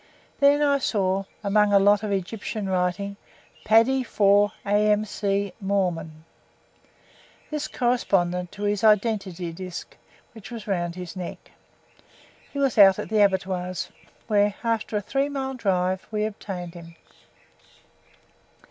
Then I saw, among a lot of Egyptian writing, PADDY 4 A.M.C. MORMON. This corresponded to his identity disc, which was round his neck. He was out at the abattoirs, where after a three mile drive we obtained him.